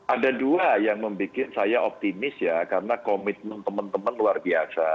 ada dua yang membuat saya optimis ya karena komitmen teman teman luar biasa